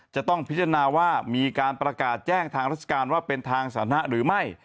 จะต้องพิจารณาว่ามีการประกาศแจ้งทางราชการว่าเป็นทางสานะหรือไม่